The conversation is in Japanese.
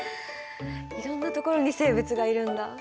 いろんな所に生物がいるんだ。